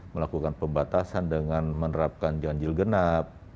melakukan pembatasan dengan menerapkan ganjil genap